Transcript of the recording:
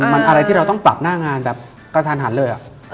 มันอะไรที่เราต้องปรับหน้างานแบบกระทันหันเลย